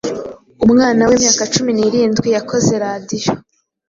umwana w’imyaka cumi nirindwi yakoze radio,